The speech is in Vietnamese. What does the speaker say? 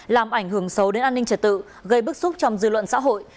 làm ảnh hưởng xấu đến an ninh trật tự gây bức xúc trong dư luận xã hội